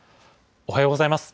おはようございます。